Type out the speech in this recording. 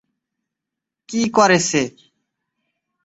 - কি করেছে?